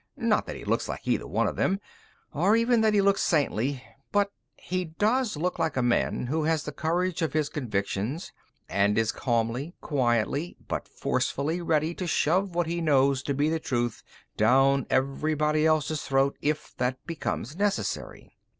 Not that he looks like either one of them, or even that he looks saintly, but he does look like a man who has the courage of his convictions and is calmly, quietly, but forcefully ready to shove what he knows to be the truth down everybody else's throat if that becomes necessary.